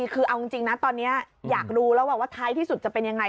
คือเอาจริงนะตอนนี้อยากรู้แล้วว่าท้ายที่สุดจะเป็นยังไง